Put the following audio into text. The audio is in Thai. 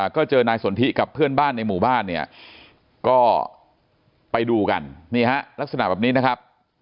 ก็เจอนายสนทิกับเพื่อนบ้านในหมู่บ้านเนี่ยก็ไปดูกันนี่ฮะลักษณะแบบนี้นะครับ